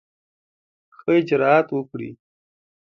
ښه اجرآت وکړي.